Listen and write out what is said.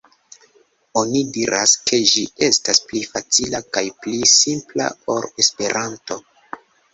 Oni diras, ke ĝi estas pli facila kaj pli simpla ol Esperanto.